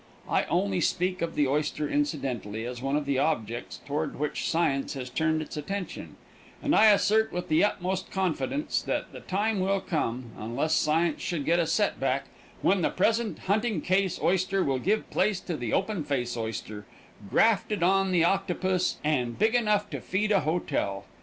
I only speak of the oyster incidentally, as one of the objects toward which science has turned its attention, and I assert with the utmost confidence that the time will come, unless science should get a set back, when the present hunting case oyster will give place to the open face oyster, grafted on the octopus and big enough to feed a hotel.